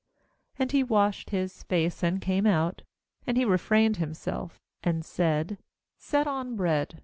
31And he washed his face, and came out; and he refrained himself, and said: 'Set on bread.'